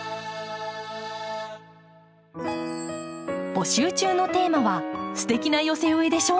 募集中のテーマは「ステキな寄せ植えでしょ！」。